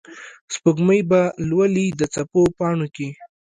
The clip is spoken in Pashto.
سپوږمۍ به لولي د څپو پاڼو کې